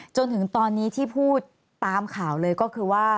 จนถึงตอนนี้ที่พูดตามข่าวเลยก็คือว่า